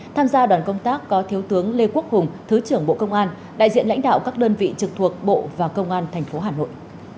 tham gia đoàn công tác có thiếu tướng lê quốc hùng thứ trưởng bộ công an đại diện lãnh đạo các đơn vị trực thuộc bộ và công an tp hà nội